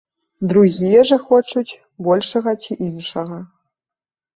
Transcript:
Другія жа хочуць большага ці іншага.